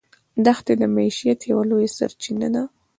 دښتې د معیشت یوه لویه سرچینه ده.